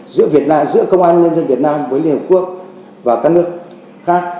giữa công an nhân dân việt nam với liên hợp quốc và các nước khác